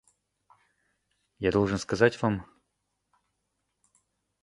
Я должен сказать вам...